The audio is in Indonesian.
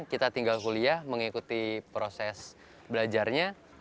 kita tinggal kuliah mengikuti proses belajarnya